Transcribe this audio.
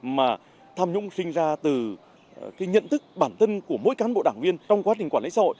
mà tham nhũng sinh ra từ cái nhận thức bản thân của mỗi cán bộ đảng viên trong quá trình quản lý xã hội